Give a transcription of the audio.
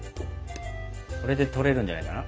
これで取れるんじゃないかな。